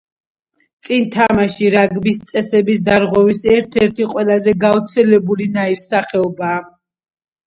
წინ თამაში რაგბის წესების დარღვევის ერთ-ერთი ყველაზე გავრცელებული ნაირსახეობაა.